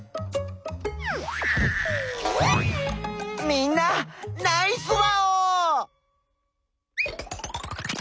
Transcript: みんなナイスワオー！